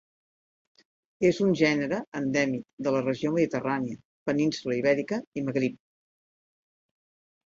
És un gènere endèmic de la regió mediterrània, Península Ibèrica i Magrib.